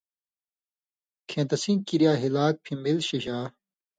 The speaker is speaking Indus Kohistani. کھیں تسیں کریا ہِلاک پِھݩبِل شِشا